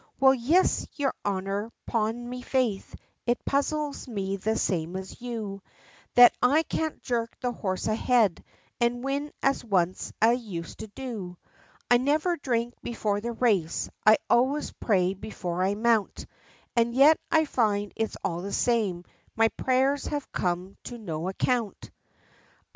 "Well, yis, yer honor, 'pon me faith, it puzzles me the same as you, That I can't jerk the horse ahead, and win as once I used to do. I never drink before the race. I always pray before I mount: And yet I find it's all the same; my prayers have come to no account!"